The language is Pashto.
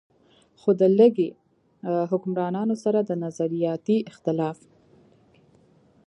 خو د ليګي حکمرانانو سره د نظرياتي اختلاف